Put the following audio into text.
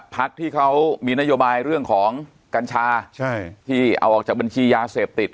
พักที่เขามีนโยบายเรื่องของกัญชาที่เอาออกจากบัญชียาเสพติด